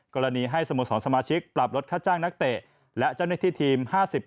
กรณีให้สโมสรสมาชิกปรับลดค่าจ้างนักเตะและเจ้าหน้าที่ทีม๕๐